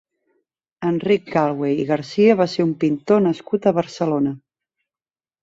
Enric Galwey i Garcia va ser un pintor nascut a Barcelona.